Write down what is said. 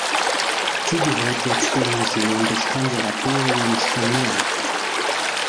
Sie gehört jetzt dem Museum des Konservatoriums von Neapel.